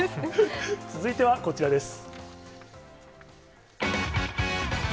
続いてはこちらです。